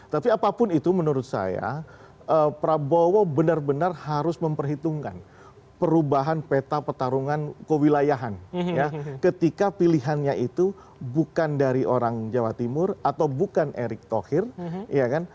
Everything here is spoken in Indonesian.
tapi apapun itu menurut saya prabowo benar benar harus memperhitungkan perubahan peta pertarungan kewilayahan ya ketika pilihannya itu bukan dari orang jawa timur atau bukan erick thohir ya kan